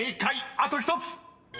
あと１つ］